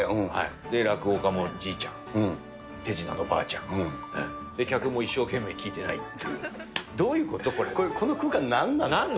落語家もじいちゃん、手品のばあちゃん、客も一生懸命聞いてないっていう、どういうここの空間、なんなのって。